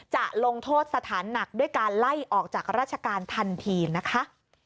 จะลงโทษสถานหนักด้วยการไล่ออกจากราชการทันทีนะคะ